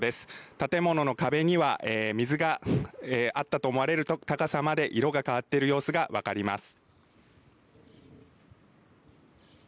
建物の壁には、水があったと思われる高さまで、色が変わっている様子が分かります。